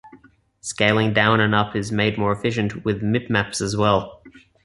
Scaling down and up is made more efficient with mipmaps as well.